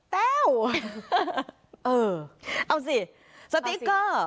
แต้วเออเอาสิสติ๊กเกอร์